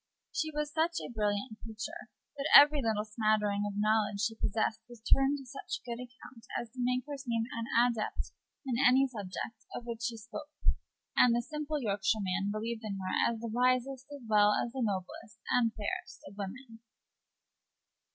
She was such a brilliant creature that every little smattering of knowledge she possessed appeared to such good account as to make her seem an adept in any subject of which she spoke, and the simple Yorkshireman believed in her as the wisest, as well as the noblest and fairest of women.